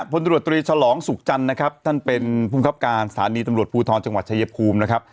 บริโจรตรีชะหรองสุกจันทร์นะครับท่านเป็นภูมิคับการศาลีตำรวจภูทธอนจังหวัดไชเยบภูมินะครับ